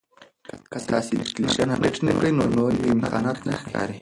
که تاسي اپلیکیشن اپډیټ نه کړئ نو نوي امکانات نه ښکاري.